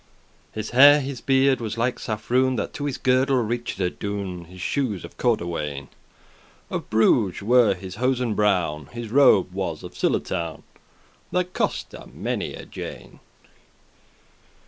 His hair, his beard, was like saffroun, That to his girdle reach'd adown, His shoes of cordewane:<5> Of Bruges were his hosen brown; His robe was of ciclatoun,<6> That coste many a jane.